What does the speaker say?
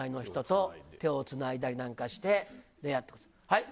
はい。